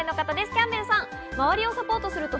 キャンベルさん。